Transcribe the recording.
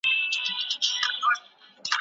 ایا نوي کروندګر چارمغز پروسس کوي؟